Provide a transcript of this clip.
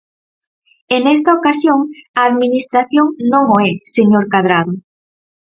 E nesta ocasión a Administración non o é, señor Cadrado.